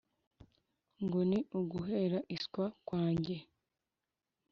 ngo ni uguhera iswa kwanjye,